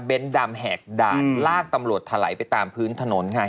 ดำแหกด่านลากตำรวจถลายไปตามพื้นถนนค่ะ